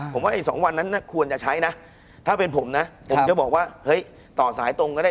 ผมว่าไอ้๒วันนั้นควรจะใช้นะถ้าเป็นผมนะผมจะบอกว่าเฮ้ยต่อสายตรงก็ได้